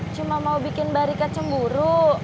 cuma mau bikin barika cemburu